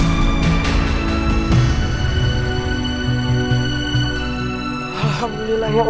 alhamdulillah ya allah